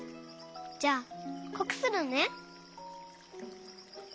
じゃあこくするね！